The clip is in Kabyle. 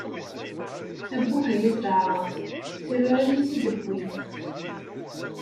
Abbuh, ay at leεṛaḍ! Tiɣirin i t-id-ppwin!